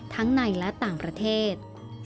ทั้งในและต่างประเทศ